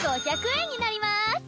５００円になります。